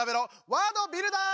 「ワードビルダー！」。